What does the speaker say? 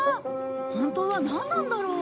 本当はなんなんだろう？